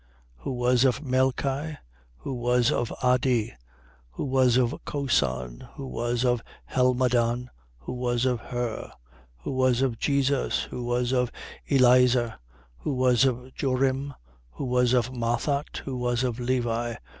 Who was of Melchi, who was of Addi, who was of Cosan, who was of Helmadan, who was of Her, 3:29. Who was of Jesus, who was of Eliezer, who was of Jorim, who was of Mathat, who was of Levi, 3:30.